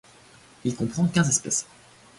Il comprend quinze espèces.